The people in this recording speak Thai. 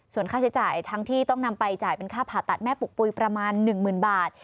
ส่วนค่าใช้จ่ายทั้งที่ต้องนำไปจ่ายเป็นค่าผ่าตัดแม่ปุกปุ๋ยประมาณ๑๐๐๐บาท